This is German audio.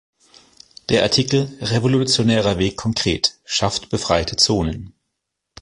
Der Artikel "Revolutionärer Weg konkret: Schafft befreite Zonen!